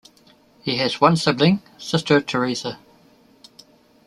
He has one sibling, sister Teresa.